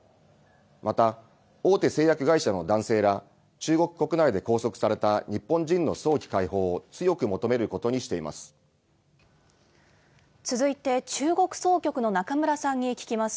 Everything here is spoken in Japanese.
また大手製薬会社の男性ら中国国内で拘束された日本人の早期解放続いて中国総局の中村さんに聞きます。